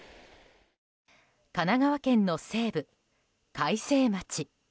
神奈川県の西部、開成町。